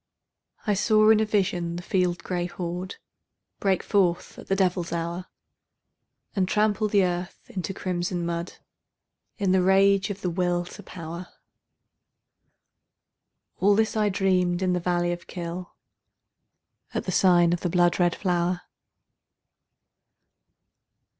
I saw in a vision the field gray horde Break forth at the devil's hour, And trample the earth into crimson mud In the rage of the Will to Power, All this I dreamed in the valley of Kyll, At the sign of the blood red flower.